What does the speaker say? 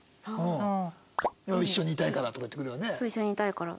「一緒にいたいから」とか言ってくるよね？